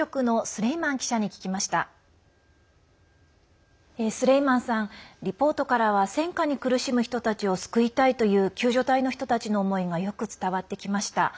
スレイマンさん、リポートからは戦禍に苦しむ人たちを救いたいという救助隊の人たちの思いがよく伝わってきました。